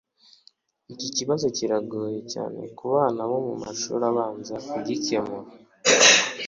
Iki kibazo kiragoye cyane kubana bo mumashuri abanza kugikemura